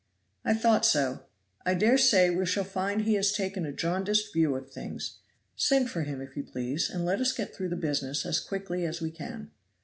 "I thought so! I dare say we shall find he has taken a jaundiced view of things. Send for him, if you please, and let us get through the business as quickly as we can."